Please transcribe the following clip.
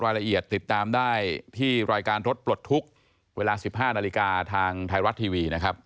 รายละเอียดติดตามได้ที่รายการรถปลดทุกข์เวลา๑๕นาฬิกาทางไทยรัฐทีวีนะครับ